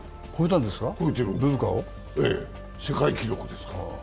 世界記録ですから。